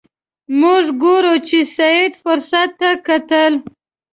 موږ ګورو چې سید فرصت ته کتل.